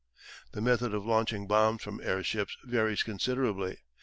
The method of launching bombs from airships varies considerably.